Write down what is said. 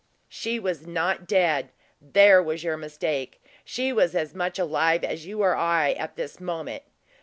"She was not dead; there was your mistake. She was as much alive as you or I at this moment."